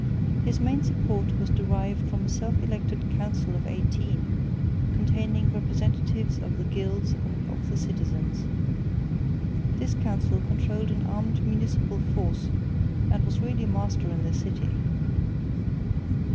His main support was derived from a self elected Council of Eighteen, containing representatives of the gilds and of the citizens. This Council controlled an armed municipal force and was really master in the city.